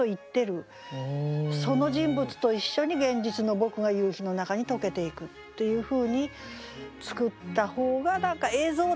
その人物と一緒に現実の僕が夕日の中に溶けていくというふうに作った方が何か映像的にね面白いかなと思うんですね。